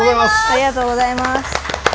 ありがとうございます。